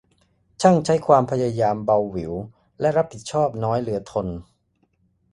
ช่างใช้ความพยายามเบาหวิว และรับผิดชอบน้อยเหลือทน